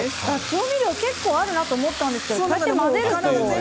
調味料、結構あるなと思ったんですが、混ぜると。